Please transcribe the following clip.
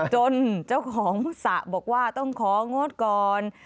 จนเจ้าของสระบอกว่าต้องของงดก่อน